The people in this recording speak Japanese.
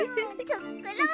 つくろう！